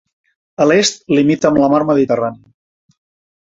A l'est limita amb la mar Mediterrània.